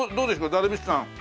ダルビッシュさん